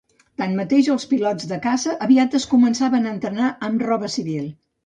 Tanmateix, els pilots de caça aviat es començaven a entrenar amb roba civil.